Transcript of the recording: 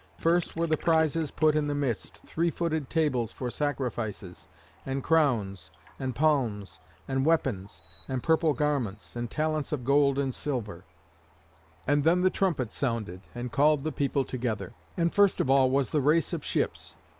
First were the prizes put in the midst, three footed tables for sacrifices, and crowns, and palms, and weapons, and purple garments, and talents of gold and silver; and then the trumpet sounded and called the people together. And first of all was the race of ships.